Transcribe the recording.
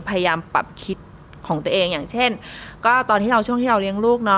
พยายามปรับคิดของตัวเองอย่างเช่นก็ตอนที่เราช่วงที่เราเลี้ยงลูกเนาะ